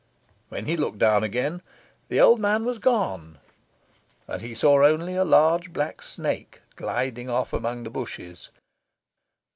When he looked down again the old man was gone, and he saw only a large black snake gliding off among the bushes.